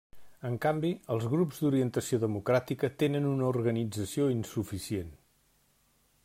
En canvi, els grups d'orientació democràtica tenen una organització insuficient.